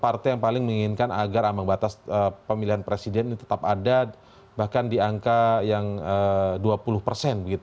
partai yang paling menginginkan agar ambang batas pemilihan presiden ini tetap ada bahkan di angka yang dua puluh persen